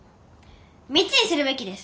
「３つ」にするべきです！